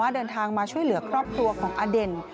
เดินทางมาช่วยเหลือครอบครัวของอเด่น